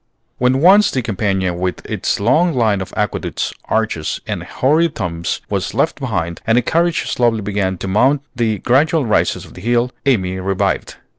When once the Campagna with its long line of aqueducts, arches, and hoary tombs was left behind, and the carriage slowly began to mount the gradual rises of the hill, Amy revived.